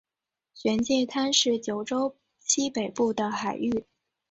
玄界滩是九州西北部的海域。